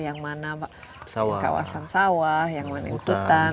yang mana kawasan sawah yang mana yang hutan